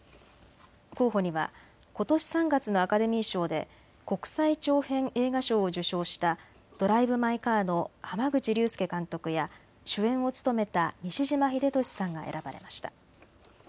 候補にはことし３月のアカデミー賞で国際長編映画賞を受賞したドライブ・マイ・カーの濱口竜介監督や主演を務めた西島秀俊さんが選ばれました。